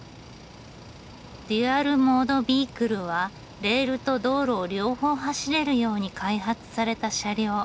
デュアル・モード・ビークルはレールと道路を両方走れるように開発された車両。